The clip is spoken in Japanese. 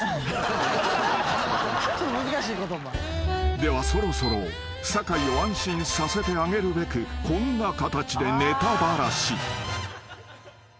［ではそろそろ酒井を安心させてあげるべくこんな形で］